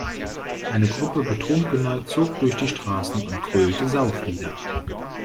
Eine Gruppe Betrunkener zog durch die Straßen und grölte Sauflieder.